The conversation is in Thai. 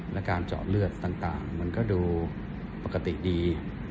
และการเจาะเลือดต่างมันก็ดูปกติดี